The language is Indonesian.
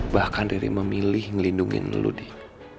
bahkan riri memilih melindungi lo dik